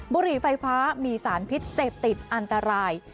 บุหรี่ไฟฟ้ามีสารพิษเสพติดอันตราย